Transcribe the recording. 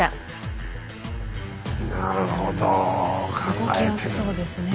動きやすそうですね。